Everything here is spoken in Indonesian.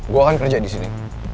gue akan kerja disini